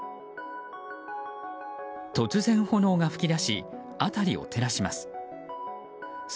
突然、炎が噴き出し辺りを照らします。